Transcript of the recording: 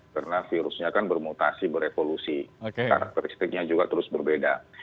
karena virusnya kan bermutasi berevolusi karakteristiknya juga terus berbeda